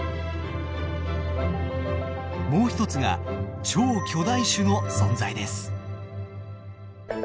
もう一つが超巨大種の存在です。